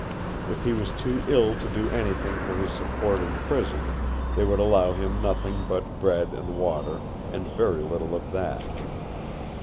If he was too ill to do anything for his support in prison, they would allow him nothing but bread and water, and very little of that.